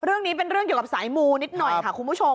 เรื่องนี้เป็นเรื่องเกี่ยวกับสายมูนิดหน่อยค่ะคุณผู้ชม